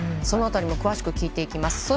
その辺りも詳しく聞いていきます。